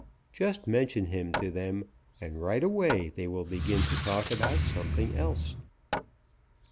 Just mention him to them, and right away they will begin to talk about something else.